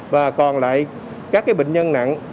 và còn lại các bệnh nhân nặng